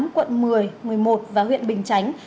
quận một mươi một mươi một và huyện bình chánh